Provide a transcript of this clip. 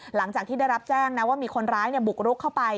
หลังจากที่ได้รับแจ้งนะว่ามีคนร้ายบุกรุกเข้าไป